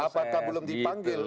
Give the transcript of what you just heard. apakah belum dipanggil